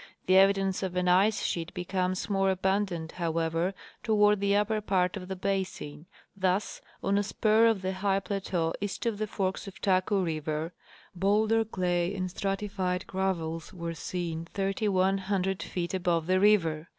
The evidence of an ice sheet becomes more abundant, however, toward the upper part of the basin. Thus, on a spur of the high plateau east of the forks of Taku river, bowlder clay and stratified gravels were seen 3,100 feet above the river.